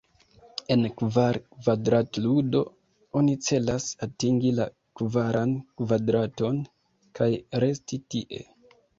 En Kvar-kvadrat-ludo, oni celas atingi la kvaran kvadraton, kaj resti tie.